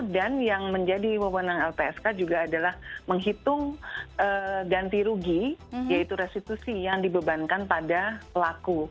dan yang menjadi wawonan lpsk juga adalah menghitung ganti rugi yaitu restitusi yang dibebankan pada pelaku